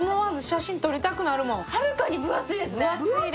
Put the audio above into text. はるかに分厚いですね。